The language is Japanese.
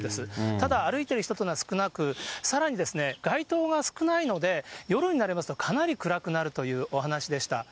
ただ、歩いている人というのは少なく、さらに街灯が少ないので、夜になりますと、かなり暗くなるというお話でした。